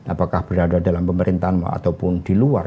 apakah berada dalam pemerintahan ataupun di luar